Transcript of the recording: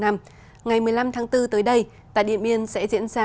ngày một mươi năm tháng bốn tới đây tại điện biên sẽ diễn ra